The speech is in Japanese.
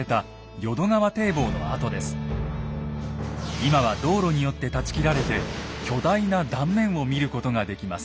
今は道路によって断ち切られて巨大な断面を見ることができます。